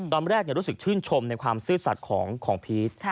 รู้สึกชื่นชมในความซื่อสัตว์ของพีช